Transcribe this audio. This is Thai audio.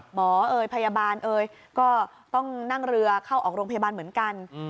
เอ่ยพยาบาลเอ่ยก็ต้องนั่งเรือเข้าออกโรงพยาบาลเหมือนกัน